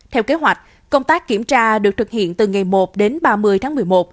theo kế hoạch công tác kiểm tra được thực hiện từ ngày một đến ba mươi tháng một mươi một